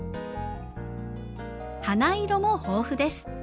花色も豊富です。